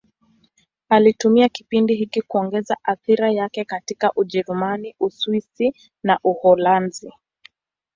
Alitumia kipindi hiki kuongeza athira yake katika Ujerumani, Uswisi na Uholanzi.